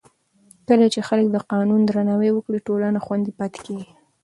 کله چې خلک د قانون درناوی وکړي، ټولنه خوندي پاتې کېږي.